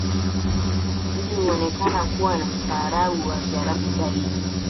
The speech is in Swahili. hii ilionekana kuwa na ustaarabu wa Kiarabu zaidi